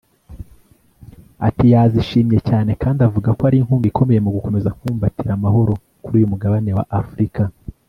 Ati “Yazishimye cyane kandi avuga ko ari inkunga ikomeye mu gukomeza kubumbatira amahoro kuri uyu mugabane wa Afurika